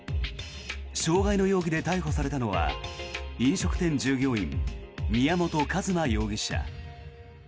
傷害の容疑で逮捕されたのは飲食店従業員、宮本一馬容疑者。